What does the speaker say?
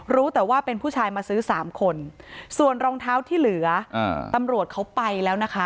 รู้แต่ว่าเป็นผู้ชายมาซื้อสามคนส่วนรองเท้าที่เหลือตำรวจเขาไปแล้วนะคะ